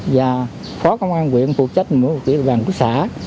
và phó công an quyện phụ trách một vị đoàn của xã